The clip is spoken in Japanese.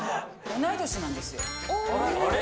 同い年なんですよ。